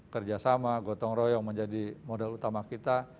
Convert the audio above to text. kerja sama gotong royong menjadi modal utama kita